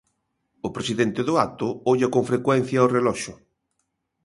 O presidente do acto olla con frecuencia o reloxo.